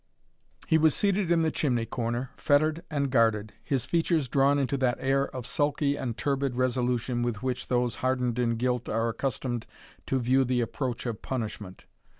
He was seated in the chimney corner, fettered and guarded, his features drawn into that air of sulky and turbid resolution with which those hardened in guilt are accustomed to view the approach of punishment.